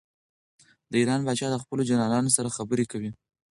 د ایران پاچا د خپلو جنرالانو سره خبرې کوي.